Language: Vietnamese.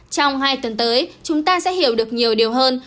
trong hai tuần tới chúng ta sẽ hiểu được nhiều điều hơn